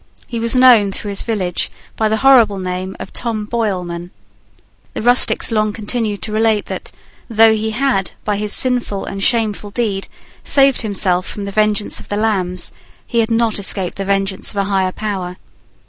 He was known through his village by the horrible name of Tom Boilman. The rustics long continued to relate that, though he had, by his sinful and shameful deed, saved himself from the vengeance of the Lambs, he had not escaped the vengeance of a higher power.